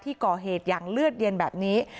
ก่อเหตุอย่างเลือดเย็นแบบนี้